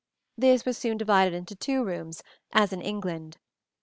This was soon divided into two rooms, as in England.